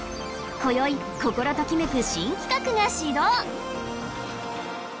今宵心ときめく新企画が始動！